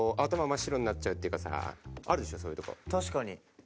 確かに。